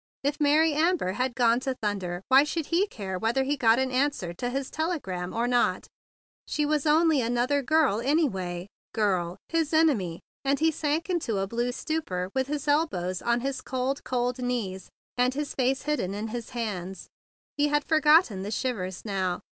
If Mary Amber had gone to thunder, why should he care whether he got an answer to his tele¬ gram or not? She was only another girl, anyway, GIRL, his enemy! And he sank into a blue stupor, with his elbows on his cold, cold knees and his face hidden in his hands. He had for¬ gotten the shivers now.